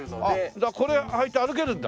じゃあこれはいて歩けるんだ。